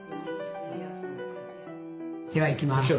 ではいきます。